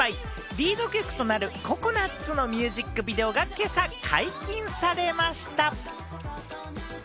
リード曲となる『ＣＯＣＯＮＵＴ』のミュージックビデオが今朝、解禁されました。